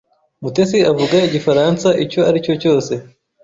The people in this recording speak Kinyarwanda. Mutesi avuga igifaransa icyo ari cyo cyose.